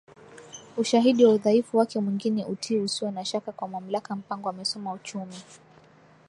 ushahidi wa udhaifu wake mwingine utii usio na shaka kwa mamlakaMpango amesoma uchumi